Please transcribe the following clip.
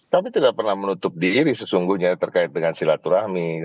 tapi tidak pernah menutup diri sesungguhnya terkait dengan silaturahmi